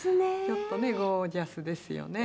ちょっとねゴージャスですよね。